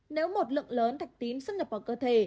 nếu một lượng lớn thạch tín xuất nhập vào cơ thể